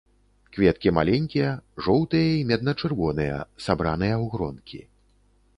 Кветкі маленькія, жоўтыя і медна-чырвоныя, сабраныя ў гронкі.